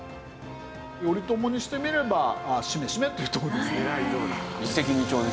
頼朝にしてみればしめしめっていうとこですね。